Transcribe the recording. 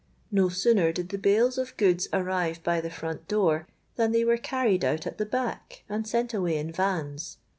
No sooner did the bales of goods arrive by the front door, than they were carried out at the back, and sent away in vans.